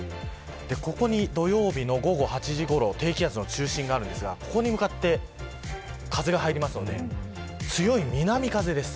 ここに土曜日の午後８時ごろ低気圧の中心があるんですがここに向かって風が入るので、強い南風です。